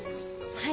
はい。